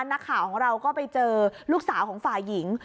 นักข่าวของเราก็ไปเจอลูกสาวของฝ่ายหญิง